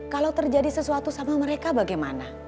kalau terjadi sesuatu sama mereka bagaimana